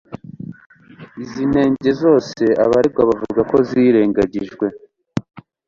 Izi nenge zose, abaregwa bavuga ko zirengagijwe